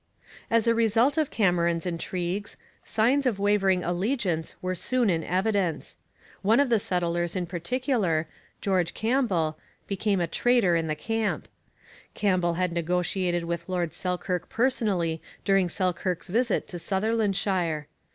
As a result of Cameron's intrigues, signs of wavering allegiance were soon in evidence. One of the settlers in particular, George Campbell, became a traitor in the camp. Campbell had negotiated with Lord Selkirk personally during Selkirk's visit to Sutherlandshire.